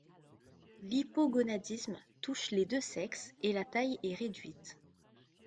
L’hypogonadisme touche les deux sexes et la taille est réduite.